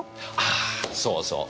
ああそうそう。